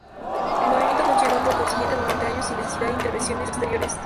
El movimiento funciona por consiguiente durante años sin necesidad de intervenciones exteriores.